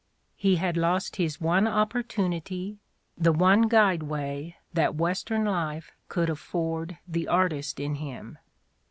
He had lost his one opportunity, the one guideway that Western life could afford the artist in him.